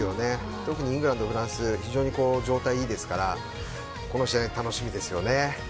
特にイングランド、フランス非常に状態がいいですからこの試合楽しみですよね。